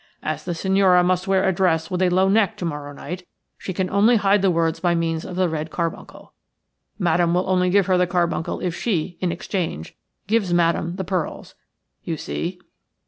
As the signora must wear a dress with a low neck to morrow night, she can only hide the words by means of the red carbuncle. Madame will only give her the carbuncle if she, in exchange, gives Madame the pearls. You see?"